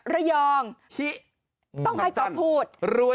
ระยองฮิฮัดจันทร์รวยฮิต้องให้ปากพูด